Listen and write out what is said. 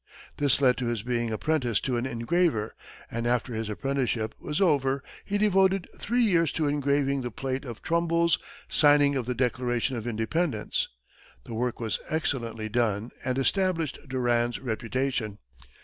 This led to his being apprenticed to an engraver, and after his apprenticeship was over, he devoted three years to engraving the plate of Trumbull's "Signing of the Declaration of Independence." The work was excellently done and established Durand's reputation.